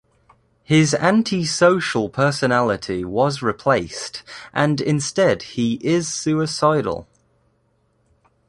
His anti-social personality was replaced and instead he is suicidal.